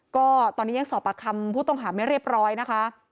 ก็ตอนนี้ยังสอบปากคำผู้ต้องหาไม่เรียบร้อยนะคะ